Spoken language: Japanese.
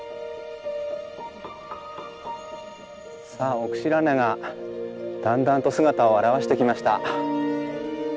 さあ奥白根がだんだんと姿を現してきました。